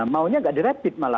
maunya nggak di rapid malah